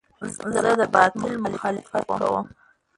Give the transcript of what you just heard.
زه د باطل مخالفت کوم.